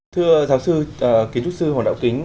thưa giáo sư kiến trúc sư hoàng đạo quỳnh